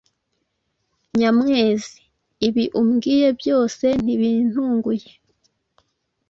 Nyamwezi: Ibi umbwiye byose ntibintunguye.